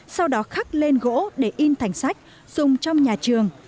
sau đó khắc lên gỗ để in thành sách dùng trong nhà trường